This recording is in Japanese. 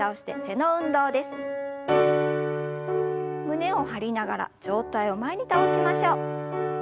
胸を張りながら上体を前に倒しましょう。